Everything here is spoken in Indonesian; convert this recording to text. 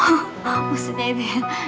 oh maksudnya itu ya